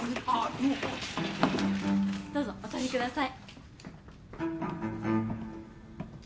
どうぞお通りください。